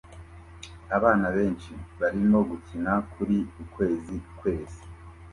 Abana benshi barimo gukina kuri "Ukwezi Kwezi